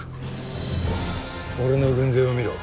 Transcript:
俺の軍勢を見ろ。